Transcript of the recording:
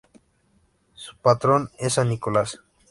Su patrón es San Nicolás.